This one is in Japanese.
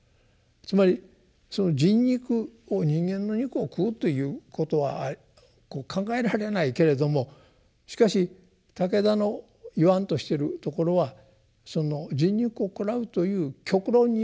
つまりその人肉を人間の肉を食うということは考えられないけれどもしかし武田の言わんとしているところは人肉を食らうという極論によってですね